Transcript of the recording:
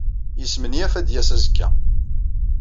Yesmenyaf ad d-yas azekka.